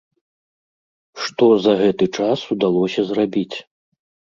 Што за гэты час удалося зрабіць?